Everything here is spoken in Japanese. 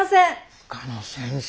深野先生